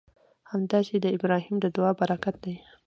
همداسې د ابراهیم د دعا برکت دی.